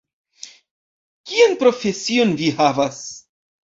Kian profesion vi havas?